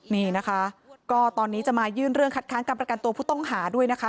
นี่นะคะก็ตอนนี้จะมายื่นเรื่องคัดค้างการประกันตัวผู้ต้องหาด้วยนะคะ